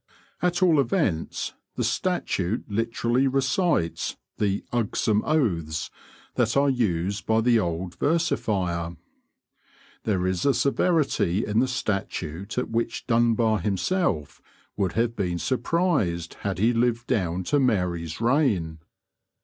At all events, the statute literally recites the "ugsome oaths" that are used by the old versifier. There is a severity in the statute at which Dunbar himself would have been surprised had he lived down to Mary's reign.